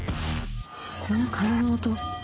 この鐘の音。